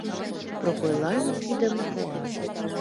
— Прокойлан кидым пуа.